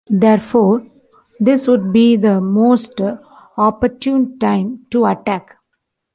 Therefore, this would be the most opportune time to attack.